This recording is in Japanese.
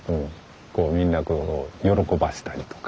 みんなを喜ばせたりとか。